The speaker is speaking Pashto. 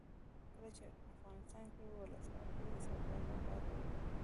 کله چې افغانستان کې ولسواکي وي سوداګر ډاډه وي.